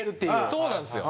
そうなんですよ。